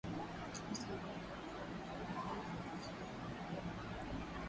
msimamo wa ucowas najua ni misimamo mmoja kwamba